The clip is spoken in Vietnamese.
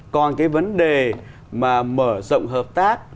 còn cái vấn đề mà mở rộng hợp tác